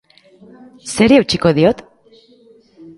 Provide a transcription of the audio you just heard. Zeri eutsiko diot?